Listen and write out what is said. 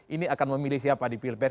ini akan memilih siapa di pilpres